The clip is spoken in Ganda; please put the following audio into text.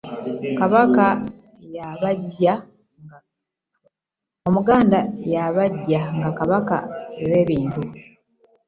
omuganda yabajja nga kabadea z'ebintu